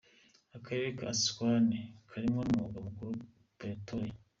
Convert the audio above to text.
Akarere ka Tshwane karimwo n'umugwa mukuru Pretoria.